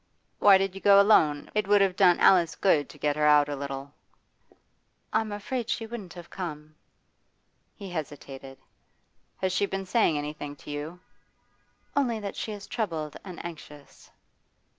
'Why did you go alone? It would have done Alice good to get her out a little.' 'I'm afraid she wouldn't have come.' He hesitated. 'Has she been saying anything to you?' 'Only that she is troubled and anxious.